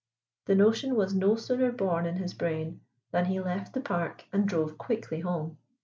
The notion was no sooner born in his brain than he left the Park and drove quickly home.